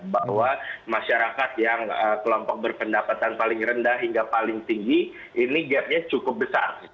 bahwa masyarakat yang kelompok berpendapatan paling rendah hingga paling tinggi ini gapnya cukup besar